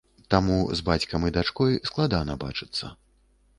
Таму з бацькам і дачкой складана бачыцца.